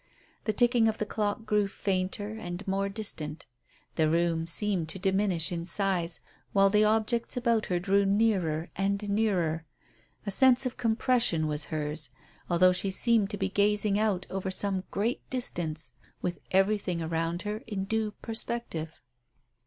The ticking of the clock grew fainter and more distant. The room seemed to diminish in size, while the objects about her drew nearer and nearer. A sense of compression was hers, although she seemed to be gazing out over some great distance with everything around her in due perspective.